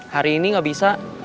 hari ini gak usah stand by dulu ya